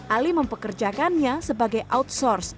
ali mempekerjakannya sebagai outsource